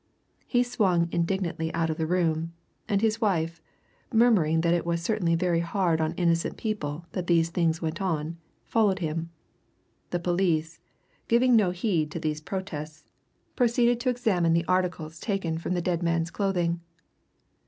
He swung indignantly out of the room, and his wife, murmuring that it was certainly very hard on innocent people that these things went on, followed him. The police, giving no heed to these protests, proceeded to examine the articles taken from the dead man's clothing.